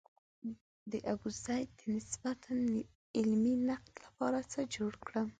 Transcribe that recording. د ابوزید د نسبتاً علمي نقد لپاره څه جوړ کړم.